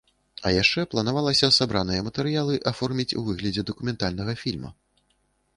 А яшчэ планавалася сабраныя матэрыялы аформіць у выглядзе дакументальнага фільма.